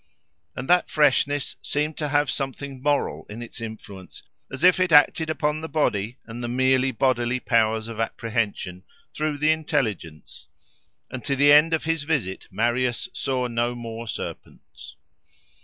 And that freshness seemed to have something moral in its influence, as if it acted upon the body and the merely bodily powers of apprehension, through the intelligence; and to the end of his visit Marius saw no more serpents.